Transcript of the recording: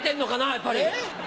やっぱり。